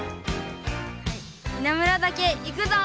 稲村岳行くぞ！